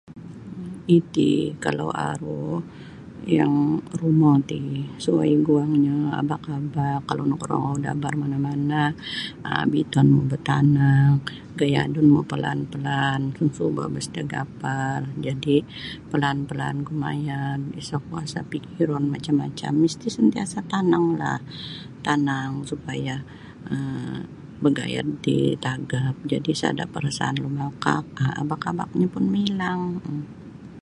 Iti kalau aru yang rumo ti suwai guangnyo abak-abak kalau nakarongou da abar mana'-mana' um bitonmu batanang gayadunmu palaan-palaan sunsubo baistigapar jadi' palaan-palaan gumayad isa' kuasa' pikiron macam-macam misti' santiasa' tananglah tanang supaya bagayad ti tagap jadi' sada' parasaan lumakak um abak-abaknyo pun mailang um.